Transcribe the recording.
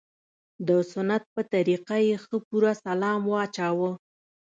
د سنت په طريقه يې ښه پوره سلام واچاوه.